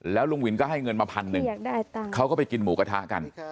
แล้วลุงวินก็ให้เงินมาพันหนึ่งเขาก็ไปกินหมูกระทะกัน